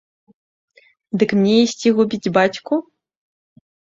Дык мне ісці губіць бацьку?